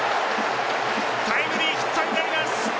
タイムリーヒットになります。